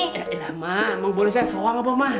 eh ilah ma memboleh sesuang apa ma